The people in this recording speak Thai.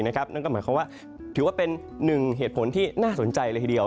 นั่นก็หมายความว่าถือว่าเป็นหนึ่งเหตุผลที่น่าสนใจเลยทีเดียว